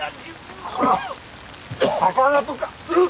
魚とか。